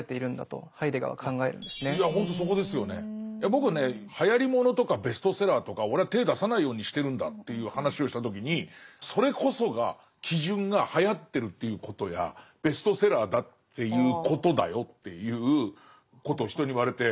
僕ね「はやり物とかベストセラーとか俺は手出さないようにしてるんだ」という話をした時に「それこそが基準がはやってるということやベストセラーだっていうことだよ」っていうことを人に言われて。